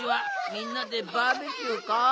みんなでバーベキューか。